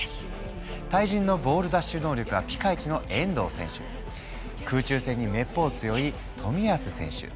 対人のボール奪取能力がピカイチの遠藤選手空中戦にめっぽう強い冨安選手